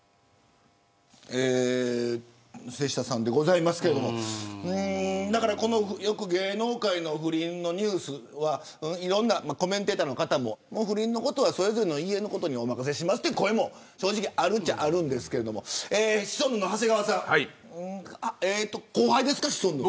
瀬下さんでございますがよく芸能界の不倫のニュースはいろんなコメンテーターの方も不倫のことはそれぞれの家にお任せしますという声も正直あるっちゃあるんですがシソンヌの長谷川さん後輩ですか、シソンヌの。